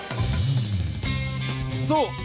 そう！